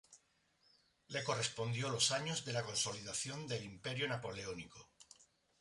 Le correspondió los años de la consolidación del Imperio napoleónico.